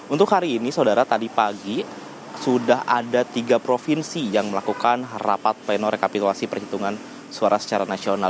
untuk hari ini saudara tadi pagi sudah ada tiga provinsi yang melakukan rapat pleno rekapitulasi perhitungan suara secara nasional